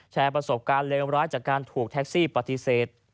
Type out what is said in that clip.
แชร์ประสบการณ์เลวร้ายจากการถูกแท็กซี่ปฏิเสธ